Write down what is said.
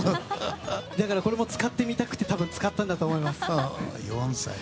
これも使ってみたくて使ったんだと思います。